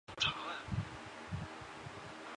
初为翰林院编修。